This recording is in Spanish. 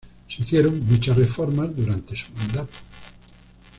Se hicieron muchas reformas durante su mandato.